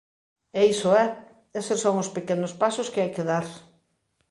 E iso é. Eses son os pequenos pasos que hai que dar.